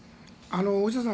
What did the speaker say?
大下さん